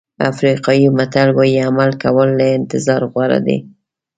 افریقایي متل وایي عمل کول له انتظار غوره دي.